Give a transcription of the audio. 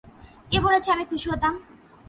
কে বলেছে আমি খুশি হতাম?